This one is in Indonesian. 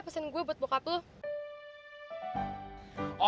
pesen gue buat bokap lo